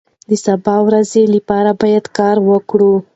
د سبا ورځې لپاره باید کار وکړو.